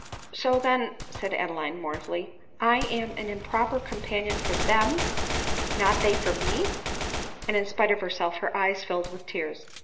" So then," 'said Adeline mournfully, I am an im proper companion for them, not they for me /" and spite of herself her eyes filled with tears.